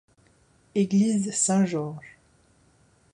Église Saint-Georges.